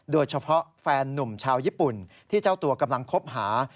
โดยเฉพาะแฟนนุ่มชาวญี่ปุ่นที่เจ้าตัวกำลังคบหา